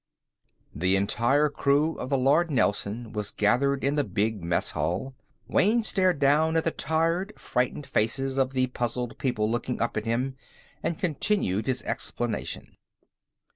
The entire crew of the Lord Nelson was gathered in the big mess hall. Wayne stared down at the tired, frightened faces of the puzzled people looking up at him, and continued his explanation.